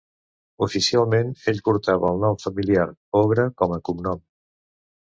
Oficialment ell portava el nom familiar Bogra com a cognom.